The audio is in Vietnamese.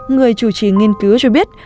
người chủ trì nghiên cứu cho biết